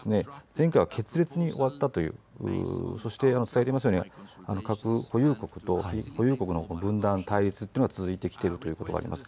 前回は決裂に終わったというそして、お伝えしていますように核保有国と保有国の分断対立というのが続いてきているということがあります。